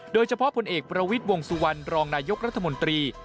โดยเฉพาะผลเอกประวิทย์วงสุวรรณรองนายกรัฐมนตรี